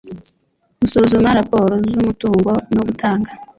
gusuzuma raporo z umutungo no gutanga